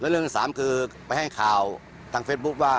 เรื่องที่สามคือไปให้ข่าวทางเฟซบุ๊คว่า